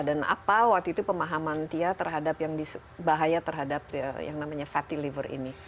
dan apa waktu itu pemahaman tia terhadap yang bahaya terhadap yang namanya fatty liver ini